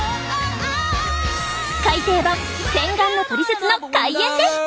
改訂版「洗顔のトリセツ」の開演です！